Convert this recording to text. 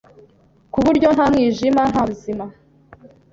ku buryo “nta mwijima, nta buzima”.